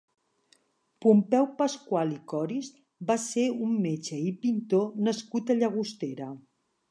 Pompeu Pascual i Coris va ser un metge i pintor nascut a Llagostera.